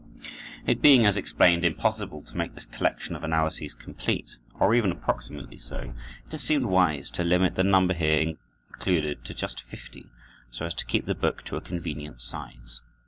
It being, as explained, impossible to make this collection of analyses complete, or even approximately so, it has seemed wise to limit the number here included to just fifty, so as to keep the book to a convenient size.